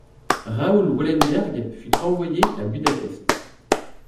Raoul Wallenberg fut envoyé à Budapest.